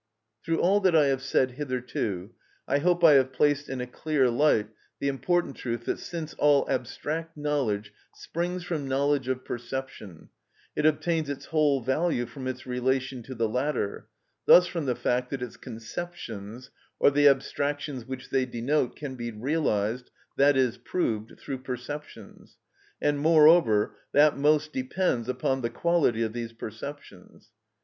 Through all that I have said hitherto I hope I have placed in a clear light the important truth that since all abstract knowledge springs from knowledge of perception, it obtains its whole value from its relation to the latter, thus from the fact that its conceptions, or the abstractions which they denote, can be realised, i.e., proved, through perceptions; and, moreover, that most depends upon the quality of these perceptions.